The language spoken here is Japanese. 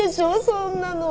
そんなの。